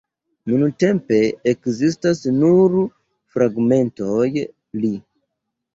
Nuntempe ekzistas nur fragmentoj li.